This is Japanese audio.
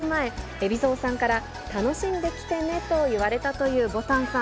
撮影に向かう前、海老蔵さんから、楽しんできてねと言われたというぼたんさん。